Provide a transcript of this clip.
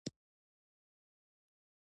ښوروا له چمچۍ نه د زړه خوند اخلي.